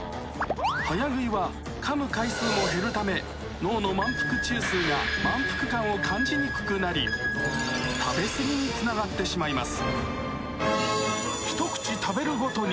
早食いはかむ回数も減るため脳の満腹中枢が満腹感を感じにくくなり食べ過ぎにつながってしまいます